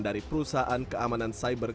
dari perusahaan keamanan cyber